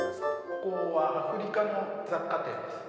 ここはアフリカの雑貨店です。